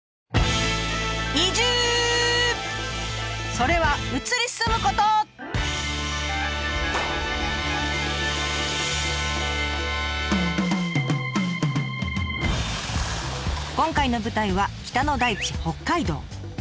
それは今回の舞台は北の大地